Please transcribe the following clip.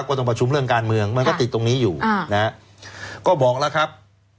ก็ต้องประชุมเรื่องการเมืองมันก็ติดตรงนี้อยู่นะฮะก็บอกแล้วครับ